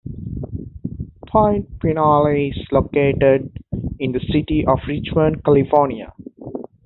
Point Pinole is located in the city of Richmond, California.